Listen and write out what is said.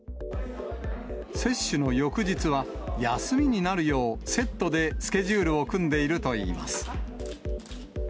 接種の翌日は休みになるようセットでスケジュールを組んでいるといいます。